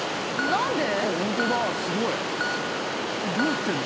何で？